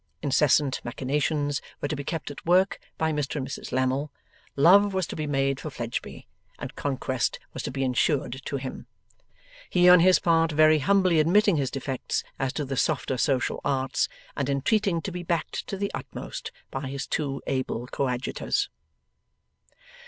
Incessant machinations were to be kept at work by Mr and Mrs Lammle; love was to be made for Fledgeby, and conquest was to be insured to him; he on his part very humbly admitting his defects as to the softer social arts, and entreating to be backed to the utmost by his two able coadjutors.